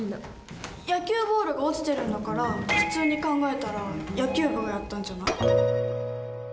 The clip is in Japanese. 野球ボールが落ちてるんだから普通に考えたら野球部がやったんじゃない？